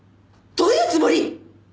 どういうつもり？